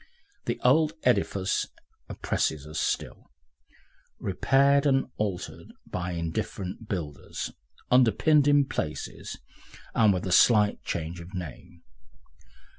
The old edifice oppresses us still, repaired and altered by indifferent builders, underpinned in places, and with a slight change of name.